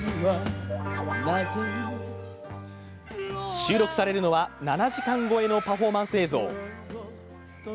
収録されるのは７時間超えのパフォーマンス映像。